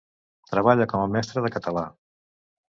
Treballa com a mestra de català.